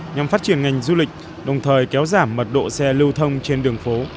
nhằm phát triển ngành du lịch đồng thời kéo giảm mật độ xe lưu thông trên đường phố